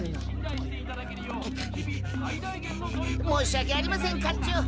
申し訳ありません課長